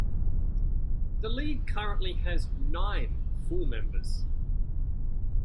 The league currently has nine full members.